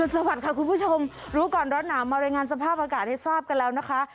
สวัสดีค่ะคุณผู้ชมรู้ก่อนร้อนหนาวมารายงานสภาพอากาศให้ทราบกันแล้วนะคะ